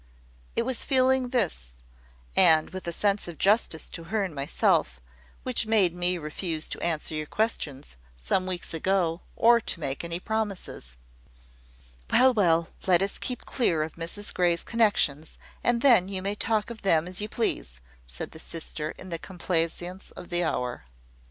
It was feeling this, and a sense of justice to her and myself, which made me refuse to answer your questions, some weeks ago, or to make any promises." "Well, well: let us keep clear of Mrs Grey's connexions, and then you may talk of them as you please," said the sister, in the complaisance of the hour.